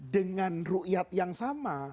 dengan ru'iyat yang sama